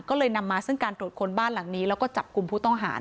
ก็เลยนำมาซึ่งการตรวจคนบ้านหลังนี้แล้วก็จับกลุ่มผู้ต้องหา